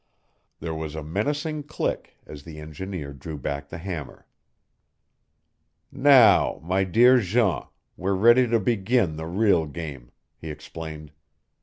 There was a menacing click as the engineer drew back the hammer. "Now, my dear Jean, we're ready to begin the real game," he explained.